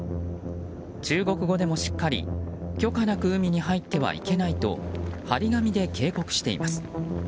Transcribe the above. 中国語でもしっかり許可なく海に入ってはいけないと貼り紙で警告しています。